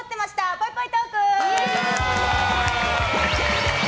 ぽいぽいトーク！